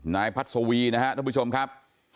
นายพัศวีนะครับท่านผู้ชมครับ